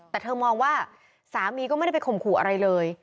แต่เธอมองว่าสามีก็ไม่ได้ไปข่มขู่อะไรเลย